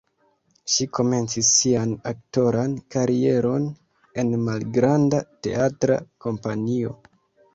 Ŝi komencis sian aktoran karieron en malgranda teatra kompanio.